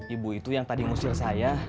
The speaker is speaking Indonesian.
ibu itu yang tadi ngusir saya